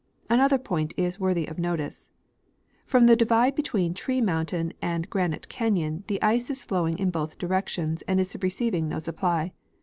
Another point is worthy of notice. From the divide between Tree mountain and Granite canyon the ice is flowing in both directions and is receiving no supply.